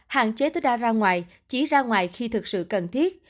hạn chế tối đa ra ngoài chỉ ra ngoài khi thực sự cần thiết